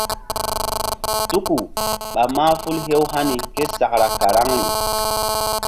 Tuku ɓa mahful hew hani késakra karaŋri.